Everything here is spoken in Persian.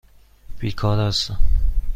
بیکار هستم.